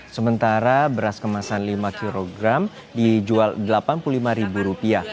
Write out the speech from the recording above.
sementara beras kemasan lima kilogram dijual delapan puluh lima ribu rupiah